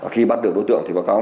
khi bắt được đối tượng thì báo cáo